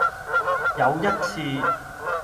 有一次